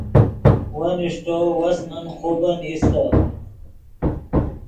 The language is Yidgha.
ون اݰٹو وس من خوبن ایستے